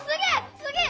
すげえ！